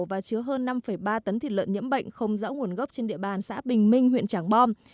và chứa hơn năm ba tấn thịt lợn nhiễm bệnh không rõ nguồn gốc trên địa bàn xã bình minh huyện trảng bom